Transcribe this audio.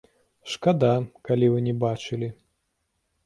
Шкада, калі вы не бачылі!